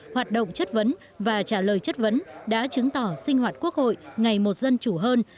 hoạt động chất vấn và trả lời chất vấn đã chứng tỏ sinh hoạt quốc hội ngày một dân chủ hơn